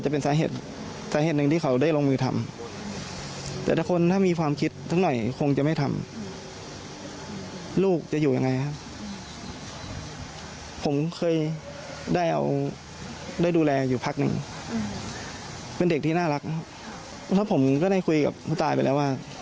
เป็นเด็กที่น่ารักเพราะผมก็ได้คุยกับผู้ตายไปแล้วว่า